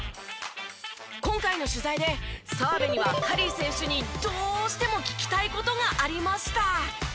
今回の取材で澤部にはカリー選手にどうしても聞きたい事がありました。